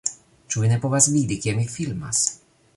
Ĉu vi ne povas vidi, ke mi filmas?